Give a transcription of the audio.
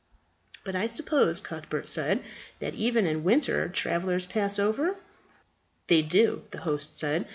"But I suppose," Cuthbert said, "that even in winter travellers pass over?" "They do," the host said.